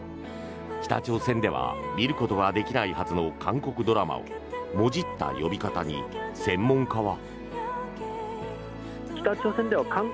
北朝鮮では見ることができないはずの韓国ドラマをもじった呼び方に専門家は。